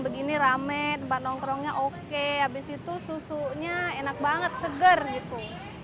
habis itu susunya enak banget seger gitu